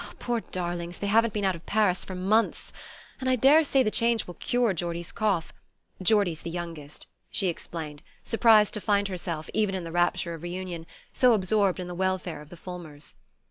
Poor darlings, they haven't been out of Paris for months! And I daresay the change will cure Geordie's cough Geordie's the youngest," she explained, surprised to find herself, even in the rapture of reunion, so absorbed in the welfare of the Fulmers.